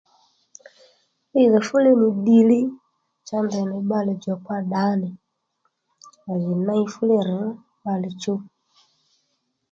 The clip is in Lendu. Ddiydhò fú li nì ddì li cha ndèynì bbalè djòkpa ddǎnì à jì ney fúli rř bbalè chuw